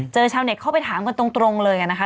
ชาวเน็ตเข้าไปถามกันตรงเลยนะคะ